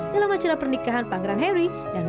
dalam acara pernikahan pangeran harry dan meghan markle